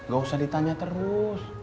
gak usah ditanya terus